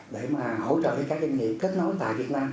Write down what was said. để mà hỗ trợ cho các doanh nghiệp kết nối tại việt nam